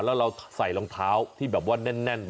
แล้วเราใส่รองเท้าที่แบบว่าแน่น